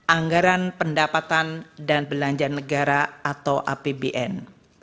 anggaran pendapatan dan belanja negara atau apbn